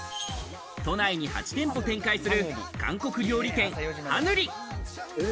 都内に８店舗展開する韓国料理店ハヌリ。